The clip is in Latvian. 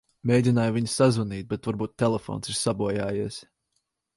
Mēģināju viņu sazvanīt, bet varbūt telefons ir sabojājies.